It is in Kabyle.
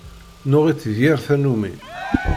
Nuɣ-itt d yir tannumi.